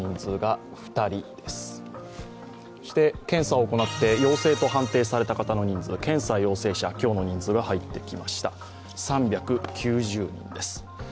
検査を行って陽性と判定された方の人数、検査陽性者、今日の人数が入ってきました３９０人です。